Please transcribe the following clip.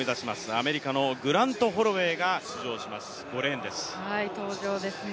アメリカのグラント・ホロウェイが出場します登場ですね。